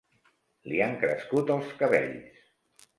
Li han crescut els cabells.